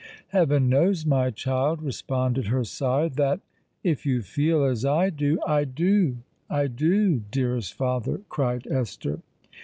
"Heaven knows, my child," responded her sire, "that—if you feel as I do——" "I do—I do, dearest father!" cried Esther.